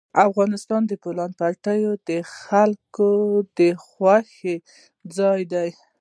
افغانستان کې د بولان پټي د خلکو د خوښې وړ ځای دی.